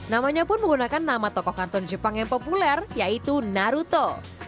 namanya pun menggunakan nama tokoh karton jepang yang populer yaitu naruto